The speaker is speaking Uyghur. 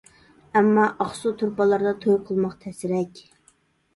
ئەمما ئاقسۇ، تۇرپانلاردا توي قىلماق تەسرەك.